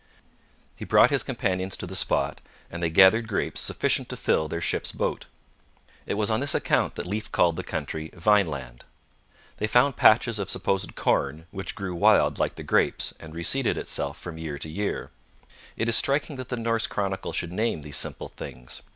He brought his companions to the spot, and they gathered grapes sufficient to fill their ship's boat. It was on this account that Leif called the country 'Vineland.' They found patches of supposed corn which grew wild like the grapes and reseeded itself from year to year. It is striking that the Norse chronicle should name these simple things.